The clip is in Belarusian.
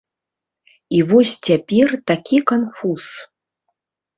І вось цяпер такі канфуз.